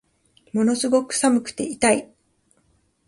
ものすごく寒くて痛い